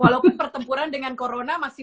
walaupun pertempuran dengan corona masih